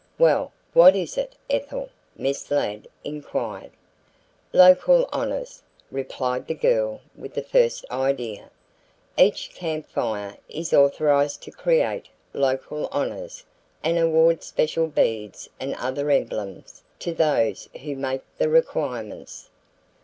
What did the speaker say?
"Well, what is it, Ethel?" Miss Ladd inquired. "Local honors," replied the girl with the first idea. "Each Camp Fire is authorized to create local honors and award special beads and other emblems to those who make the requirements."